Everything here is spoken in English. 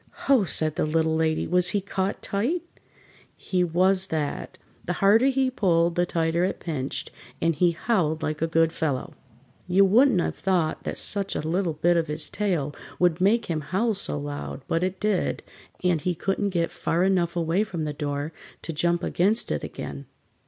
"Ho!" said the Little Lady. "Was he caught tight?" [Illustration: HE HOWLED LIKE A GOOD FELLOW.] He was that. The harder he pulled the tighter it pinched, and he howled like a good fellow. You wouldn't have thought that such a little bit of his tail would make him howl so loud, but it did, and he couldn't get far enough away from the door to jump against it again.